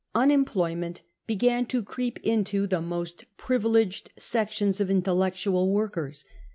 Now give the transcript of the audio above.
Unemployment began to creep into the most ^privileged sections of intellectual workers.